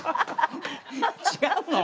違うの？